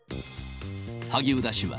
萩生田氏は、